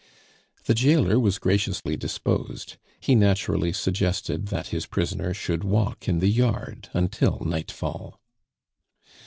The jailer was graciously disposed; he naturally suggested that his prisoner should walk in the yard until nightfall.